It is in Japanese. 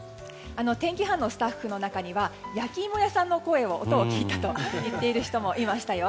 天気班のスタッフの中には焼き芋屋さんの音を聞いたという人もいましたよ。